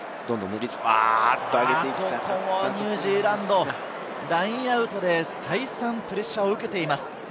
ここもニュージーランド、ラインアウトで再三プレッシャーを受けています。